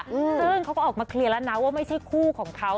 ซึ่งเขาก็ออกมาเคลียร์แล้วนะว่าไม่ใช่คู่ของเขา